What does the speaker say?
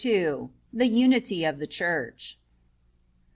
THE UNITY OF THE CHURCH.